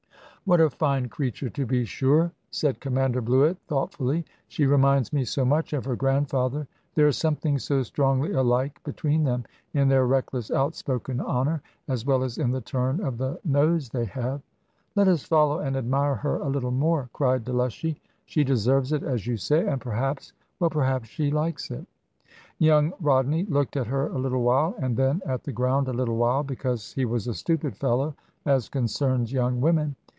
"What a fine creature, to be sure!" said Commander Bluett, thoughtfully; "she reminds me so much of her grandfather. There is something so strongly alike between them, in their reckless outspoken honour, as well as in the turn of the nose they have." "Let us follow, and admire her a little more," cried Delushy: "she deserves it, as you say; and perhaps well perhaps she likes it." Young Rodney looked at her a little while, and then at the ground a little while; because he was a stupid fellow as concerns young women.